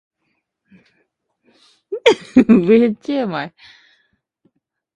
Benali was born in Southampton and attended Bellemoor School.